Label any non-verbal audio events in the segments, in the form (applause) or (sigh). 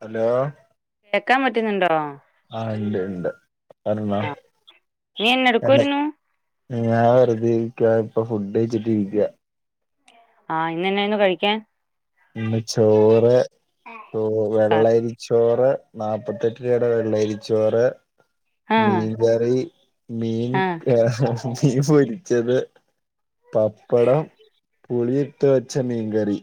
Hello കേക്കാൻ പറ്റുന്നുണ്ടോ ആ ഇണ്ട്ണ്ട് പറഞ്ഞോ ആ നീ എന്നെ തല്ലെ എടുക്കുവായിരുന്നു ഞാൻ വെറുതെ ഇരിക്ക ഇപ്പൊ ഫുഡ് കഴിച്ചിട്ടിരിക്ക ആ ഇന്നെന്നായിരുന്നു കഴിക്കാൻ ഇന്ന് ചോറ് തോ കറി വെള്ളരി ചോറ് നാപ്പത്തെട്ട് രൂപേടെ വെള്ളരി ചോറ് ആ മീൻ കറി മീൻ ആ ക ബീഫ് പൊരിച്ചത് പപ്പടം പുളിയിട്ട് വെച്ച മീങ്കറി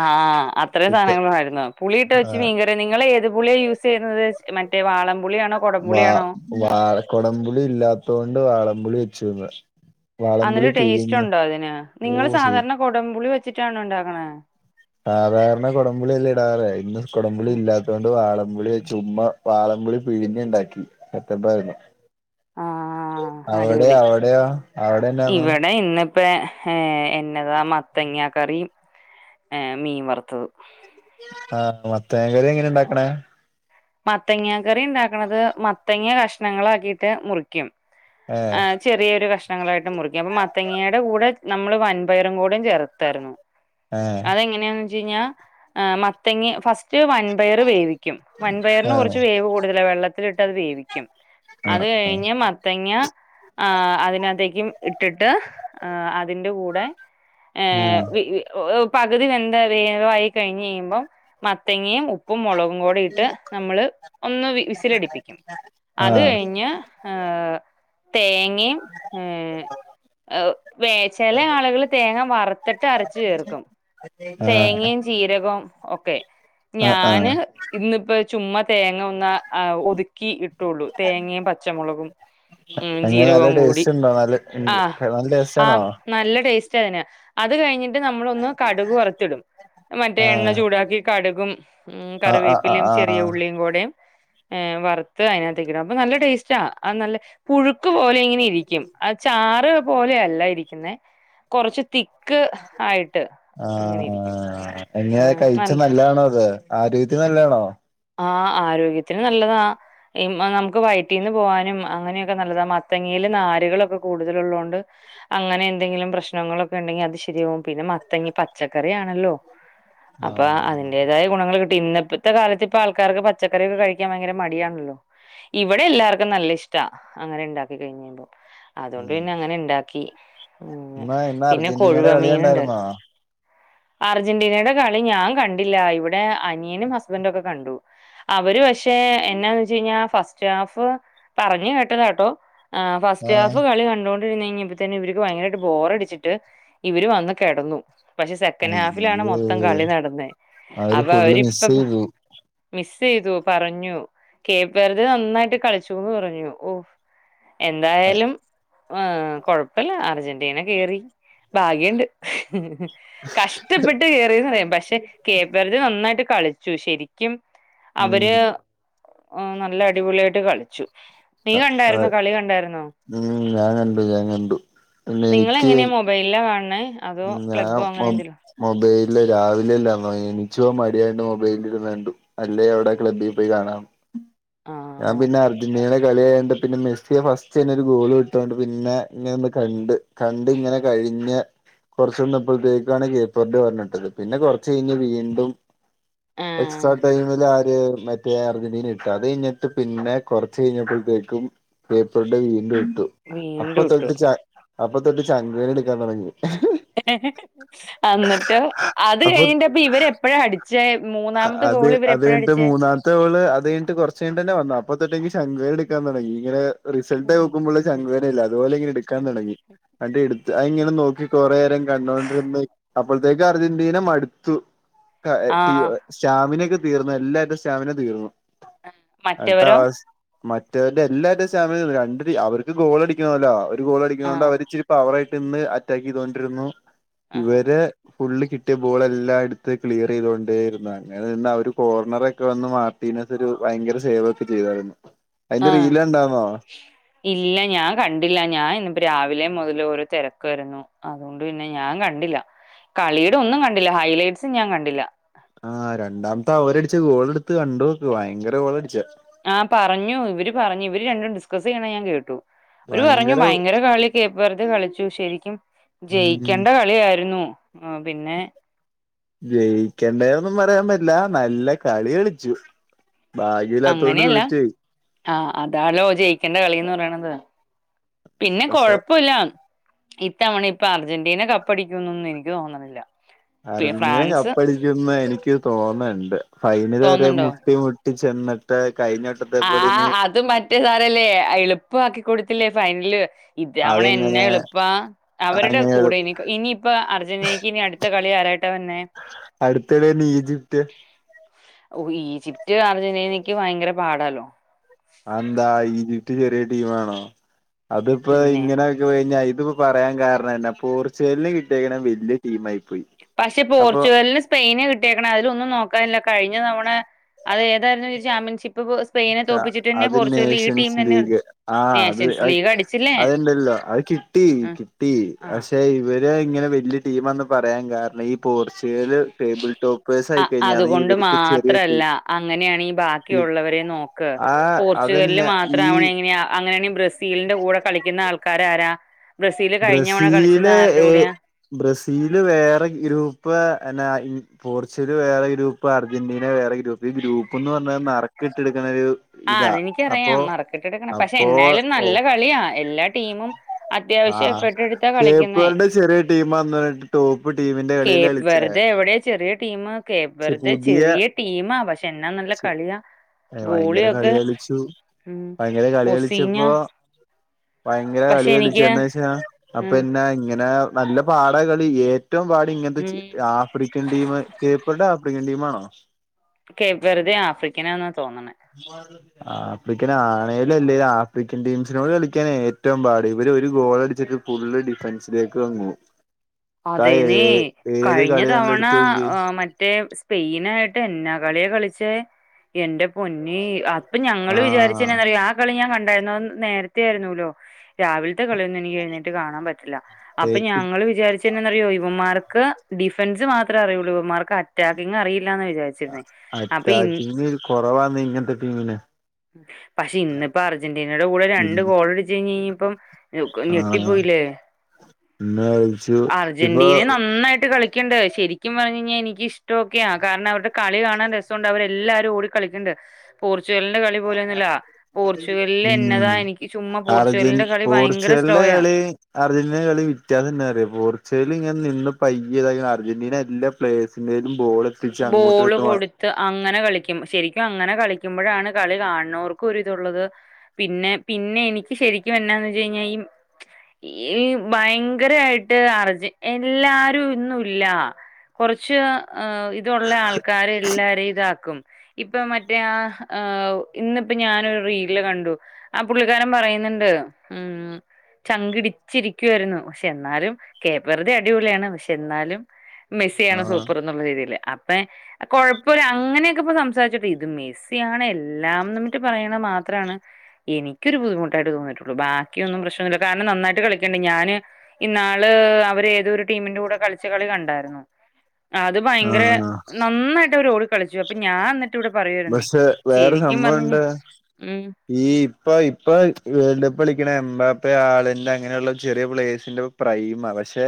ആ അത്രേം ഇത്ത സാധനങ്ങളാരുന്നോ പുളിയിട്ട് വെച്ച് ആഹ് മീങ്ക ടെ നിങ്ങളേത് പുളിയ യൂസ് ചെയ്യുന്നത് മറ്റേ വാളംപുളിയാണോ വാ കൊടംപുളിയാണോ വാ കൊടമ്പുളി ഇല്ലാത്ത കൊണ്ട് വാളംപുളി വെച്ചുന്ന് വാളംപുളി അന്നിട്ട് പിഴിഞ്ഞ് ടേസ്റ്റോണ്ടോ അതിന് ഓ നിങ്ങള് സൂ സാധാരണ കൊടമ്പുളി വെച്ചിട്ടാണോ ഒണ്ടാക്കണേ സാധാരണ കൊടമ്പുളിയല്ലെ ഇടാറ് ഇന്ന് കൊടമ്പുളി ഉം. ഇല്ലാത്ത കൊണ്ട് വാളമ്പുളി ചുമ്മാ വാളംമ്പുളി പിഴിഞ്ഞ ഉണ്ടാക്കി (unintelligible) ആ അവിടെ അടിപൊളി അവടെയാ അവിടെയെന്നാന്നു പ്പെ ഏ എന്നതാ മത്തങ്ങ കറിം മീൻ വറുത്തതും ആ മത്തേങ്ങ കറി എങ്ങനെണ്ടാക്കണേ മത്തങ്ങ കറി ണ്ടാക്കണത് മത്തങ്ങ കഷ്ണങ്ങളാക്കിട്ട് മുറി ക്കും ഏ ചെറിയൊരു കഷ് ണങ്ങളായിട്ട് മുറിക്കും അപ്പൊ മത്തങ്ങയുടെ കൂടെ നമ്മള് വൻപയറും കൂടെയും ചേർത്താരുന്നു അതെങ്ങനെയാന്ന് വെച്ച് കഴിഞ്ഞാൽ മത്തങ്ങ ഫസ്റ്റ് വൻപയർ വേവിക്കും ആ ആ വൻപയറിന് കൊറച്ച് വേവ് കൂടുതല വെള്ളത്തിലിട്ട് അത് വേവിക്കും അത് കഴിഞ്ഞ് മ തങ്ങ ആ അതിനകത്തേക്കും ഇട്ടിട്ട് ആ അതിന്റെ കൂടെ ഏ ഉം വി വി പകുതി വെന്ത് വേവായി കഴിഞ്ഞ്ഴിയുമ്പം മത്തങ്ങയും ഉപ്പും മൊളകും കൂടെ ഇ നമ്മള് ഒന്ന് വിസിലടിപ്പിക്കും അത് കഴിഞ്ഞ് ഞാ എഹ് തേങ്ങയും ഉം വേ ചെല ആളുകള് തേങ്ങ വറുത്തിട്ട് അരച്ച് ചേർക്കും ആ തേങ്ങയും ജീരകവും ഒക്കെ ആ ആ ആ ഞാന് ഇന്നിപ്പ ചുമ്മ തേങ്ങ ഒന്ന് അ ഒതുക്കി ഇട്ടുള്ളൂ തേങ്ങയും പച്ചമുളകും ഉം എങ്ങനെ നല്ല ജീരകവും കൂടി ടേസ്റ്റ് ഉണ്ടോ നല്ല ആഹ് നല്ല ടേസ്റ്റ് ആ ആണോ നല്ല ടേസ്റ്റ അതിന് അത് കഴിഞ്ഞിട്ട് നമ്മളൊന്ന് കടുക് വറു ത്തിടും മറ്റേ ആ എണ്ണ ചൂടാക്കി കടുകും ഉം ആ ആ ആ കറിവേപ്പിലിം ആ ചെറിയ ഉള്ളീം കൂടേം ഏ വറുത്ത് അഴിനകത്തെക്കിടും അപ്പൊ നല്ല ടേസ്റ്റാ ആ നല്ല പുഴുക്ക് പോലെ ഇങ്ങനെ ഇരിക്കും ആ ചാറ് പോലെയല്ല ഇരിക്കുന്നേ കൊറച്ച് തിക്ക് ആയിട്ട് അങ്ങനെ ഇരിക്കും ആഹ് എങ്ങനെ ആഹ് കഴിച്ച നല്ല നല്ലതാണോത് ആരോഗ്യത്തിന് നല്ലാണോ ആ ആരോഗ്യത്തിന് നല്ലതാ നമുക്ക് വയറ്റീന്ന് പോവാനും അങ്ങനെയൊക്കെ നല്ലതാ മത്തങ്ങയില് നാരുകളൊക്കെ കൂടുതല് ഉള്ളോണ്ട് അങ്ങനെ എന്തെങ്കിലും പ്രശ്നങ്ങളൊക്കെ ഇണ്ടെങ്കി അത് ശരിയാവും പിന്നെ മത്തങ്ങി പച്ചക്കറി ആണല്ലോ അപ്പൊ ആഹ് അതിന്റേതായ ഗുണങ്ങള് കിട്ടി ഇന്നപ്പെത്തെ കാലത്ത് പ്പൊ ആൾക്കാർക്ക് പച്ചക്കറിക്കെ കഴിക്കാൻ ഭയങ്കര മടിയാണല്ലോ ഇവിടെ എല്ലാർക്കും നല്ല ഇഷ്ട അങ്ങനെ ഉണ്ടാക്കി കഴിക്ക്ന്ന അതുകൊണ്ട് ഉം പിന്നെ അങ്ങനെ ഇണ്ടാക്കി ഇന്ന് ഇന്ന് പിന്നെ കൊഴുവ അർജന്റീനയുടെ കളി മീന്ണ്ട് കണ്ടായിരുന്നോ അർജന്റീനയുടെ കളി ഞാൻ കണ്ടില്ല ഇവിടെ അനിയനും ഹസ്ബൻഡ് ഒക്കെ കണ്ടു അവര് പക്ഷെ എന്നാന്ന് വെച്ച് കഴിഞ്ഞാ ഫസ്റ്റ് ഹാഫ് പറഞ്ഞു കേട്ടതാട്ടോ അ ഫസ്റ്റ് ആഹ് ഹാഫ് കളി കണ്ടൊ കഴിഞ്ഞപ്പോത്തിന് ഇവര്ക്ക് ഭയങ്കരായിട്ട് ബോറടിച്ചിട്ട് ഇവര് വന്ന് കെടന്നു പക്ഷെ സെക്കൻഡ് ഹാഫിലാണ് അയ്യോ മൊത്തം കളി നടന്നെ അവര് അപ്പൊ ഫുള്ള് അവരിപ്പ മിസ് ചെയ്തു മിസ് ചെയ്തു പറഞ്ഞു (unintelligible) നന്നായിട്ട് കളിച്ചുന്ന് പറഞ്ഞു ഓ എന്തായാലും ആഹ് കൊഴപ്പല്ല അർജന്റീന കെറി ഭാഗ്യണ്ട് കഷ്ടപ്പെട്ട് കേറിയന്ന് പറയാം പക്ഷെ കേപ്പറ്ജ നന്നായിട്ട് കളിച്ചു ശെരി ക്കും ഉം അവര് നല്ല അടിപൊളിയായിട്ട് കളിച്ചു നീ കണ്ടായിരുന്നോ ആഹ് കളി കണ്ടായിരുന്നോ ഉം ഞാൻ കണ്ടു ഞാൻ കണ്ടു പിന്നെ എനിക്ക് നിങ്ങളഎങ്ങനെയാ മൊ ബയില കാൺണെ അതോ ക്ലബ്ബോ അങ്ങനെ എന്തെലു മൊബൈൽല് രാവിലെല്ലാ എൻചോവാ മടിയായിട്ട് മൊബൈൽല് ഇരിന്ന് കണ്ടു അല്ലേ അവ്ടെ ക്ലബ്ബിൽ പോയി കാണാം ആഹ് ഞാൻ ആഹ് പിന്നെ അർജന്റീന കളിയായോണ്ട് പിന്നെ മെസ്സിയെ ഫസ്റ്റന്നെരു ഗോള് ഇട്ടൊണ്ട് പിന്നെ ഇങ്ങനെ ഒന്ന് കണ്ട് കണ്ട് ഇങ്ങനെ കഴിഞ്ഞ കൊർച്ച്‌ നിന്നപ്പോഴത്തേക്കാണ് കേപ്പർഡ് വന്നത് പിന്നെ കൊർച്ചഴിഞ്ഞ് വീണ്ടും ആഹ് എക്സ്ട്രാ ടൈമില് ആര് മെ അർജന്റീന ഇട്ടു അത് കഴിഞ്ഞിട്ട് പിന്നെ കൊർച്ച് കഴിഞ്ഞപ്പോഴത്തേക്കും (unintelligible) വീണ്ടും ഇട്ടു അപ്പ വീണ്ടും ഇട്ടു തൊട്ട് ച അപ്പ തൊട്ട് ചങ്ക്ന് ഇടിക്കാൻ തൊടങ്ങി അന്നിട്ട് അത് അപ്പൊ കഴിഞ്ഞിട്ടപ്പ ഇവരെപ്പോഴാ അടി ച്ചെ മൂന്നാമത്തെ ഗോൾ ഇവര എപ്പഴാ അടിച്ചേ അടുത്ത ഗോൾ അത് കഴിഞ്ഞ്ട്ട് കൊർച്ച് കഴിഞ്ഞ്ട്ടന്ന വന്ന അപ്പത്തൊട്ട് എനിക്ക് ചങ്ക് വേന എടുക്കാൻ തൊടങ്ങി ഇങ്ങനെ റിസൾട്ട് നോക്കുമ്പോള്ള ചങ്ക് വേനല്ലേ അതുപോലെ ഇങ്ങനെ ഇട്ക്കാൻ തുടങ്ങി അത് എടുത്ത് അയിങ്ങനെ നോക്കി കൊറെരം കണ്ടോണ്ടിര്ന്ന് അപ്പൾത്തേക്ക് അർജന്റീന മട്ത്തു (unintelligible) ആഹ് സ്റ്റാമിന ഒക്കെ തീർന്ന് എല്ലാര്ടെ സ്റ്റാമിന തീർന്നു മറ്റവരോ (unintelligible) മറ്റവര്ടെ എല്ലാരുടെ സ്റ്റാമിന തീർന്ന് രണ്ട് ടീ അവര്ക്ക് ഗോളടിക്കണല്ലോ അവര് ഗോളടിക്ക്ണോണ്ട് ആഹ് അവര് ച് പവറായിട്ട്ന്ന് അറ്റാക്കീതോണ്ടിരുന്നു ആഹ് ഇവര് ഫുള്ള് കിട്ടിയ ബോൾ എല്ലാം എട്ത്ത് ക്ലിയർ ചെയ്തോണ്ടേരുന്ന ആണ് ഇഞ്ഞത് ന്നവര് കോർണറൊക്കെ വന്ന് മാട്ടീനസം ഒരു പയങ്കര സേവ് ഒക്കെ ചെയ്താരുന്നു അയ്ന്റെ ആഹ് റീലണ്ടാർന്നോ? ഇല്ല ഞാൻ കണ്ടില്ല ഞാൻ ഇന്ന്പ്പോ രാവിലേ മുതലോരോ തെരക്കേര്ന്നു. അതോണ്ട് പിന്നെ ഞാൻ കണ്ടില്ല കളിയ്ടെ ഒന്നും കണ്ടില്ല. ഹൈലൈറ്റ്സും ഞാൻ കണ്ടില്ല. ആഹ് രണ്ടാമത്തെ അവരട്ച്ച ഗോളെട്ത്ത് കണ്ടോക്ക് വയങ്കര ഗോളട്ച്ചേ ആ പറഞ്ഞു ഇവര് പറഞ്ഞു ഇവര് രണ്ടരും ഡിസ്കസെയ്യണ ഞാൻ കേട്ടു വര് പറഞ്ഞു ഭയങ്കര കളി കേപ്പർത്ത് കളിച്ചു ശരിക്കും ഉം ജെയിക്കണ്ട കളിയായിര്ന്നു പിന്നെ ജയിക്കണ്ടെര്ന്നൊന്നും പറയാൻ പറ്റ്ല്ല നല്ല കളി കളിച്ചു. ഭാഗ്യമില്ലാത്തോണ്ട് അങ്ങനെയല്ല തോറ്റ് പോയി ആഹ് അതാലോ ജയിക്കണ്ട കളീന്ന് പറിണത്. പിന്നെ പക്ഷെ കൊഴപ്പൊല്ല ഇത്തവണ ഇപ്പൊ അർജന്റീന കപ്പടിക്കുംന്നൊന്നും എനിക്ക് തോന്നണില്ല. അർജന്റീന ഫ്രാൻസ് കപ്പടിക്കുംന്ന് എനിക്ക് തോന്ന്ണ്ട് ഫൈനലെരെ തോന്നുന്നുണ്ടോ മുട്ടി മു ട്ടി ചെന്ന്ട്ട് കഴിഞ്ഞ വട്ടത്തെ പോലെ നീ റ്റേ സാറല്ലേ എളുപ്പാക്കി കൊടുത്തില്ലേ ഫൈൻല്. ഇത്തവണ എന്നെ അതെങ്ങനെ എളുപ്പാ അവര്ടെ അങ്ങനെ കൂടെ ഇനി ഇനിപ്പ അർജന്റീനക്ക് ഇനി അടുത്ത കളി ആരായിട്ടാ വന്നെ അടുത്തേലെര്ന് ഈജിപ്ത് ഓ ഈജിപ്റ്റ് അർജന്റീനക്ക് വയങ്കര പാടാല്ലോ അതെന്താ ഈജിപ്റ്റ് ചെറ്യേ ടീമാണോ അത്പ്പോ പിന്നെ ഇങ്ങനെ ജോയ്ഞ്ഞ ഇത്പ്പോ പറയാൻ കാരണം എന്നാ പോർച്ചുഗൽന് കിട്ട്യേക്ക്ണ വില്ല് ടീമായി പോയി. പക്ഷെ അപ്പൊ പോർച്ചുഗൽന് സ് പെയിനാ കിട്ടിയേക്ക്ണെ അയ്ലൊന്നും നോക്കാന്ല്ല കഴിഞ്ഞ തവണ അത് ഏതാര്ന്നു ചാമ്പ്യൻഷി ഇപ്പ പ് സ്പെയിനെ തോപ്പിച്ചിട്ടെന്നെ അത് പോർച്ചുഗൽ നേഷൻസ് ഈടീമ്‌നെന്നെ കളി നേഷൻസ് ലീഗടി അഹ്ണ്ടല്ലോ അഹ് കിട്ടീ കിട്ടീ ആഹ് പക്ഷെ ഇവരെങ്ങനെ വല്ല്യ ടീമാന്ന് പറയാൻ കാരണം ഈ പോർ ച്ചുഗല് ടേബിൾ ടോപ്പേഴ്സായിക്കഴിഞ്ഞാന്ന് ഇവര്ക്ക് ചെറിയ ടീ അങ്ങനെയാണെങ്ങി ബാക്കിയുള്ളവരെ നോക്ക് ആ പോർച്ചുഗലില് അതന്നെ മാത്രം ഈ ആവണെ എങ്ങിനെയാ അങ്ങനേണെ ബ്രസീൽന്റെ കൂടെ കളിക്ക്ന്ന ആൾക്കാരാരാ ബ്രസീല് കഴിഞ്ഞവണ കളിച്ചത് ബ്രസീല് ആർടെ ഏ കൂടെയാ ബ്രസീല് വേറെ ഗ്രൂപ്പ് എന്നെ അ ഈ പോർച്ചുഗല് വേറെ ഗ്രൂപ്പ് അർജന്റീന വേറെ ഗ്രൂപ്പ് ഈ ഗ്രൂപ്പ് ന്ന് പർഞാ അഹ് നർക്ക്ട്ടെട് ക്ക്ണൊരു ആ അത് എനിക്കറിയാം നറുക്കിട്ടെടുക്ക്ണ പക്ഷെ അപ്പോ എന്നായാലും ഓ നല്ല കളിയാ എല്ലാ ടീ ടീമും അത്യാവശ്യം എഫേർട്ടെടുത്താ കളിക്കുന്നെ ടീമാന്ന്ട് ടോപ്പ് ടീമിന്റെ കളിയില കേപ്പ് കളിച്ചേ വെർതെ എവിടെ ചെറിയ ടീം കേപ്പ് പക്ഷെ വെറ്തെ പുതിയ ചെറ്യ ടീമാ പക്ഷെ എന്നാ നല്ല കളിയാ. ഏ ഭയങ്കര കളി ഗോളിയൊക്കെ കളിച്ചു ഉം ഭയങ്കര കളി ഒസീഞ്ഞ കളിച്ചപ്പോ ഭയങ്കര കളി പക്ഷെ എനിക്ക് കളിച്ചന്നേഷം ഉം അപ്പന്നാ ഇങ്ങനെ നല്ല പാടാ കളി ഏറ്റവും പാടിങ്ങൻത്തെ ചി ഉം ആ ഫ്രിക്കൻ ടീം കേപർടെ ആഫ്രിക്കൻ ടീമാണോ കേപർതെ ആഫ്രിക്കനാന്ന തോന്ന്ണെ മ ആഫ്രിക്കനാണേലും അല്ലേ ആഫ്രിക്കൻ ടീംസിനോട് കളിക്കാനേറ്റവും പാട് ഇവര് ഒരു ഗോളട്ച്ചിക്ക് ഫുള്ള് ഡിഫൻസിലേക്ക് വന്നു അതേന്നേ ഏത് കഴിഞ്ഞ കളിയാണല്ലോ തവണ എടുത്ത് നോക്കിയേ മറ്റേ സ് സപെയിനായിട്ട് എന്നാ കളിയാ കളിച്ചേ എന്റെ പൊന്നേ അ പ്പ ഞങ്ങള് ആഹ് വിചാരിച്ചെന്നാന്ന്റ്‌യോ ആ കളി ഞാൻ കണ്ടായിരുന്നു അഹ് നേരത്തേയിരുന്നൂലോ രാവിൽത്തെ കള്യെന്നും നിക്കെഴുന്നേറ്റ് കാണാൻ പറ്റില്ല അപ്പൊ ഞങ്ങള് വിചാരിച്ചു തിന്നെന്നറ്യോ ഇവൻമാർക്ക് ഡിഫൻസ് മാത്രേ അറിയുള്ളൂ ഇവൻമാർക്ക് അറ്റാക്കിങറിയില്ലാ ന്ന് വിചാരി അറ്റാക്കീന്ന് കൊറവാന്ന് ഇങ്ങനത്തെ ടീമിന് പക്ഷെ ഇന്നിപ്പോ അർജന്റീനയുടെ കൂടെ രണ്ട് ഗോൾ അടിച്ചു കഴിഞ്ഞ് ഇപ്പം ആ ന്നാൽ അർജന്റീനെ നന്നായിട്ട് കളിക്കണ്ട് ശരിക്കും പറഞ്ഞു കഴിഞ്ഞാൽ എനിക്ക് ഇഷ്ടമൊക്കെയാ കാരണം അവരുടെ കളി കാണാൻ രസമുണ്ട് അവരെ എല്ലാരും ഓടി കളിക്കണ്ട് പോർച്ചുഗലിന്റെ കളി പോലൊന്നുമല്ല പോർച്ചുഗലിൽ ഉം എന്നതാ എനിക്ക് ചുമ്മാ അർജൻ പോർച്ചുഗലിന്റെ കളി ഭയങ്കര പോർച്ചുഗലിന്റെ സ്ലോയ കളി അർജന്റീന കളി വിത്യാസംന്നാ അറിയോ പോർച്ചുഗൽ ഇങ്ങനെ നിന്ന് പയ്യാതായി അർജന്റീന എല്ല പ്ലേ്സിന്റെയും ബോൾ എത്തിച്ച് അങ്ങോട്ടും ബോള് ഇങ്ങോട്ടും വ കൊടുത്തി അങ്ങനെ കളിക്കും ശരിക്കും അങ്ങനെ കളിക്കുമ്പോഴാണ് കളി കാണുന്നോർക്കും ഒരിതുള്ളത് പിന്നെ പിന്നെ എനിക്ക് ശരിക്കും എന്നാ വെച്ചു കഴിഞ്ഞാ ഈ ഈ ഭയങ്കരായിട്ട് അർജുൻഎല്ലാരും ഒന്നും ഇല്ല കുറച്ച് ഏഹ് ഇതുള്ള ആൾക്കാര് എല്ലാരേം ഇതാക്കും ഇപ്പൊ മറ്റേ ആ ഇന്നിപ്പോ ഞാനൊരു റീലിൽ കണ്ടു ആഹ പുള്ളിക്കാരൻ പറയുന്നുണ്ട് ഉം ചങ്കിടിച്ചിരിക്കുവായിരുന്നു പക്ഷെ എന്നാലും കേപ്പറുത അടിപൊളിയാണ് പക്ഷെ ന്നാലും മെസ്സസിയാണ് ആഹ് സൂപ്പർന്നുള്ള രീതിൽ അപ്പ കൊഴപ്പോല അങ്ങനെയൊക്കെ ഇപ്പ സംസാരിച്ചട്ടെ ഇത് മെസ്സിയാണ് എല്ലാം ന്നട്ട് പറയണ മാത്രമാണ് എനിക്ക ഒരു ബുദ്ധിമുട്ടായിതോന്നിയിട്ടുള്ളു ബാക്കിയൊന്നുംപ്രശ്നല്ല കാരണം നന്നായിട്ട് കളിച്ച്‌ണ്ട് ഞാന് ഇന്നാള് അവര് ഏതൊരു ടീമിന്റെ കൂടെ കളിച്ച കളി കണ്ടായിരുന്നു അത് ഭയങ്കര ആഹ് നന്നായിട്ട് അവര് ഒടി കളിച്ചു അപ്പൊ ഞാൻ എന്നിട്ട് ടെ പറയുരുന്നു പക്ഷെ വേറെ ശരിക്കും പറഞ്ഞു സംഭവണ്ട് കഴിഞ്ഞാ ഈ ഇപ്പൊ ഇപ്പൊ വേൾഡ് കപ്പ് കളിക്കണ എംബാപ്പ ആളന്റ് അങ്ങനെയുള്ള ചെറിയ പ്ലേസിന്റെ പ്രൈമാ പക്ഷെ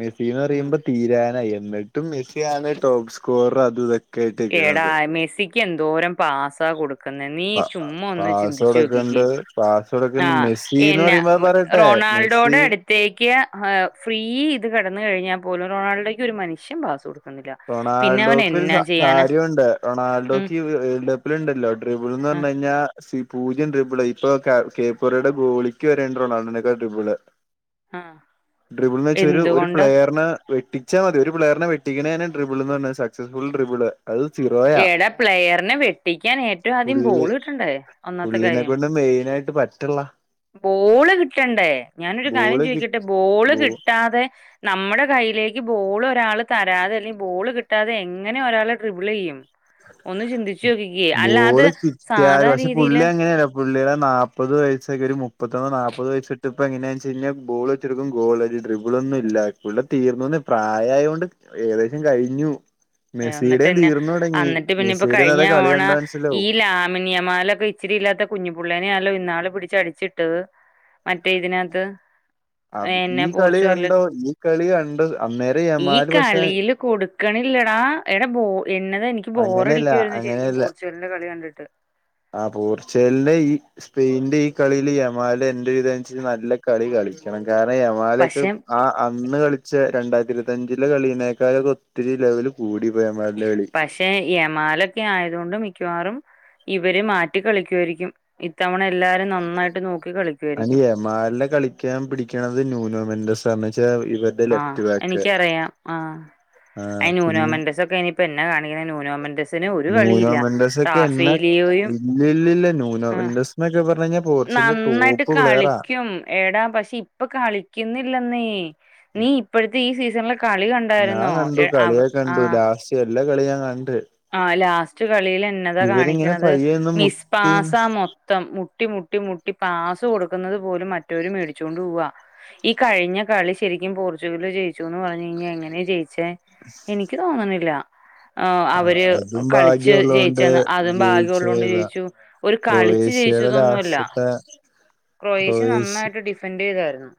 മെസ്സിന്ന് ഉം പറയുമ്പോ തീരാനായി എന്നിട്ടും മെസ്സിയ ആണ് ടോപ്പ് സ്കോർ അത് ഇതൊക്കെ ആയിട്ട് ഏടാ നിക്കണത് മെസ്സിക്ക് എന്തോരം പാസ കൊടുക്കുന്നെ നീ ചുമ്മാ ഒന്ന് ചിന്തിച്ചു നോക്കിക്കേ പാസാഡൊക്കണ്ട് ആഹ് മെസ്സി എന്ന് പറയുമ്പോ പറയട്ടെ മെസ്സി തേക്കിയ ആഹ് ഫ്രീ ഇത് കിടന്ന കഴിഞ്ഞാൽ പോലും റൊണാൾഡോയ്ക്ക് ഒരു മനുഷ്യൻ പാസ് കൊടുക്കുല റൊണാൾഡോക്ക് ഒരു കാര്യമുണ്ട് ഉം റൊണാൾഡോക്ക് വേൾഡ് ട്രിബിൾ ഉണ്ടല്ലോട്രിബിൾ എന്ന് ആഹ് പറഞ്ഞഴിഞ്ഞ പൂജ്യം ട്രിബിൾ ഇപ്പോ കേപ്പറയുടെ ഗോളിക്ക് വേറെ ഇണ്ട് റൊണാൾഡോ നേക്കാളും ട്രിബിൾ ആഹ് ഡ്രിബിൾന്ന് വെച്ച ഒരു ഒരു എന്തുകൊണ്ടാ പ്ലെയറിനെ വെട്ടിച്ച മതി ഒരു പ്ലയറിനെ വെട്ടിക്കണേനെ ട്രിബിൾന്ന് പറഞ്ഞ സക്സസ്ഫുൾ ട്രബിള് അത് ചിറോയാ എടാ പ്ലെയറിനെ വെട്ടിക്കാൻ ഏറ്റവും ആദ്യം ഉള്ള് ബോള് കിട്ടണ്ടേ ഒന്നാമത്തെ ഉള്ളിനെ കാര്യം കൊണ്ട് മെയിനായിട്ട് പറ്റ് ള്ളാ ബോള് കിട്ടണ്ടേ ഞാനൊരു കാര്യം ബോള് കി ചോദിക്കട്ടെ ബോള് ബോ കിട്ടാതെ നമ്മുടെ കൈയിലേക്ക് ബോൾ ഒരാൾ തരാതെ അല്ലെങ്കി ബോൾ കിട്ടാതെ എങ്ങനെ ഒരാള് ട്രിബിളെയ്യും അത് ബോള് കിട്ടിയാലും സാധാ പക്ഷെ പുള്ളി രീതിയില് എങ്ങനെറിയോ പുള്ളിടെ നാല്പത് വയസ്സൊക്കെ ഒരു മുപ്പത്തൊന്ന് നാപ്പത് വയസ്സ് ഇട്ട്പ്പ് എങ്ങനെയാ വെച്ച് കഴിഞ്ഞ ബോൾ ക്കും ഗോൾ ഇനി ഡ്രിബിൾ ഒന്നും ഇല്ലാ തീർന്നന്ന് പ്രായായൊണ്ട് ഏകദേശം കഴിഞ്ഞു എന്നിട്ട് മെസ്സിടേയും തന്നെ തീർന്നു തുടങ്ങി മെസ്സിടെ ഇന്നത്തെ കളി കണ്ട മനസ്സിലാവും ല്ലാമിനിയമാലൊക്കെ ഇച്ചിരി ഇല്ലാത്ത കുഞ്ഞുപുള്ളേനെയല്ലോ ഇന്നാള് പിടിച്ചടിച്ചിട്ട്ത് മറ്റേ ഇതിനകത്ത് അത് ഈ എന്നെ കളി പോർച്ചുഗല് കണ്ടോ ഈ കളി കണ്ട അന്നേര ഈ യമാല് പക്ഷെ കളിയില് കൊടുക്കണില്ലടാ എടാ ബോ എന്നത് എനിക്ക് അങ്ങനെയല്ല ബോറടിക്കുവായിരുന്നു ശരിക്കും അങ്ങനെയല്ല പോർച്ചുഗലിന്റെ കളി കണ്ടിട്ട് ആ പോർച്ചുഗലിന്റെ ഈ സ്പെയിന്റെ ഈ കളിയിൽ യമാല് എന്റെ ഇതനുസരിച്ചു നല്ല കളി കളിക്കണം കാരണം യമാലൊക്കെ പക്ഷെ ആ അന്ന് കളിച്ച രണ്ടായിരത്തി ഇരുപത്തഞ്ചിലെ കളിയതിനേക്കാളൊക്കെ ഒത്തിരി ലെവല് കൂടി ഇപ്പ യമലിന്റെ കളി പക്ഷെ യമാലൊക്കെ ആയതു കൊണ്ട് മിക്കവാറും ഇവര് മാറ്റി കളിക്കുവേരിക്കും ഇത്തവണ എല്ലാരും നന്നായിട്ട് നോക്കി കളിക്കുവായിരിക്കും യാമാല്നെ കളിക്കാൻ പിടിക്കണത് ന്യൂനോർമെൻ്റസ എന്നുവെച്ചാ ഇവര് ആഹ് എനിക്കറിയാം ആഹ് ആ പിന്നെ അന്യൂനോമെൻ്റസ് ഒക്കെ ഇനി ഇപ്പ എന്നാ കാണിക്കണേ ന്യൂനോ മെൻഡസ് പിന്നെ ഒരു കളിയില്ല ന്യൂനോമെന്റസ് ഒക്കെ എന്നാ റാഫേലിയോയും ഇല്ലില്ലില്ല ആഹ് ന്യൂനോമെന്റസ് എന്നൊക്കെ പറഞ്ഞു കഴിഞ്ഞാൽ പോർച്ചുഗലിന്റെ നന്നായിട്ട് ടോപ്പ് പ്ലെയറാ കളിക്കും എടാ പക്ഷെ ഇപ്പ കളിക്കുന്നില്ലന്നേ നീ ഇപ്പഴ്ത്തെ ഈ സീസണിലെ കളി കണ്ട ഞാൻ കണ്ടു കളിയൊകെ കണ്ടു ലാസ്റ്റ് എല്ലാ കളി ഞാൻ കാണണ്ട് ആ ലാസ്റ്റ് കളില് എന്നതാ കാണിക്കണത് പയ്യെ നിന്ന് മുട്ടി മിസ്പാസ മൊത്തം മുട്ടിമുട്ടി മുട്ടി മുട്ടി പാസ് കൊടുക്കുന്നത് പോലും മറ്റൊരു മേടിച്ചുകൊണ്ട് പോവാ ഈ കഴിഞ്ഞ കളി ശരിക്കും പോർച്ചുഗില് ജയിച്ചുന്ന് പറഞ്ഞു കഴിഞ്ഞാ എങ്ങനെ ജയി ച്ചേ എനിക്ക് തോന്നണില്ല അവര് ആഹ് അതും കളിച്ച് ഭാഗ്യം ഒള്ളോണ്ട് ജയിച്ചെന്ന് അതും ജയിച്ചു ഭാഗ്യമുള്ളോണ്ട് പോയതാ ജയിച്ചു ഒരു കളിച്ച് ക്രൊയേഷ്യയുടെ ജയിച്ചതൊന്നുമല്ല ലാസ്റ്റ ത്തെ ക്രൊയേഷ്യ നന്നായിട്ട് ഡിഫൻഡെയ്താരുന്നു